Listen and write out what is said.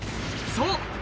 そう！